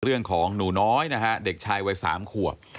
เรื่องของหนูน้อยนะคะเด็กชายวัย๓ขวบ